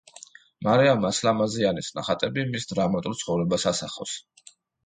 მარიამ ასლამაზიანის ნახატები მის დრამატულ ცხოვრებას ასახავს.